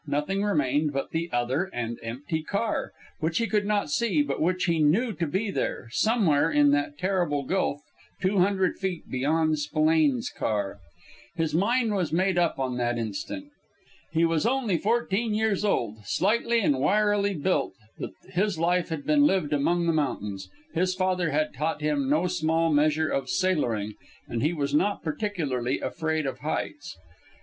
Nothing remained but the other and empty car, which he could not see, but which he knew to be there, somewhere in that terrible gulf two hundred feet beyond Spillane's car. His mind was made up on the instant. He was only fourteen years old, slightly and wirily built; but his life had been lived among the mountains, his father had taught him no small measure of "sailoring," and he was not particularly afraid of heights.